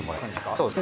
そうです。